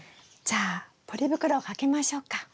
じゃあポリ袋をかけましょうか。